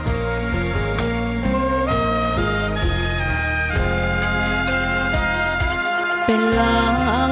จะใช้หรือไม่ใช้ครับ